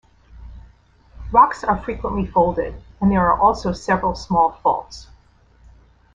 Rocks are frequently folded, and there are also several small faults.